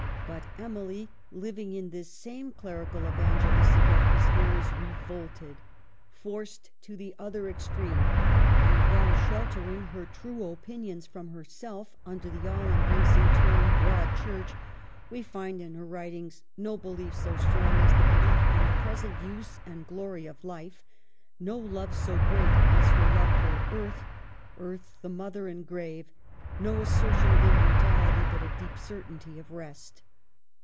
But Emily, living in this same clerical evangelistic atmosphere, is revolted, forced to the other extreme ; and, while shelter ing her true opinions from herself under the all embracing term "Broad Church," we find in her writings no belief so strong as the belief in the present use and glory of life ; no love so great as her love for earth — earth the mother and grave ; no assertion of immortality, but a deep certainty of rest.